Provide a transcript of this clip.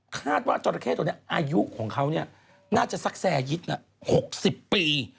คาดว่าจราเข้ตัวนี้อายุของเขาน่าจะสักแซยิดละ๖๐ปี